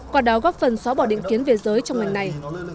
qua đó góp phần xóa bỏ định kiến về giới trong ngành này